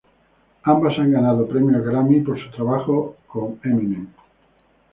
Ambos han ganado premios Grammy por su trabajo con Eminem.